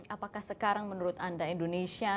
apakah sekarang menurut anda indonesia